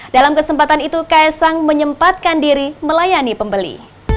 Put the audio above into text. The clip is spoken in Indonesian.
dalam kesempatan itu ks sang menyempatkan diri melayani pembeli